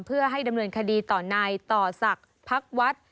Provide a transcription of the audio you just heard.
เพื่อให้ดำเนินคดีต่อนายต่อศักดิ์พักวัด